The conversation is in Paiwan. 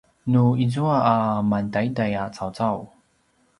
nu izua a mantaiday a cawcau